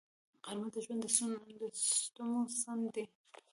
غرمه د ژوند د ستمو ځنډ دی